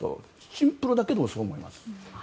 シンプルだけどそうなんです。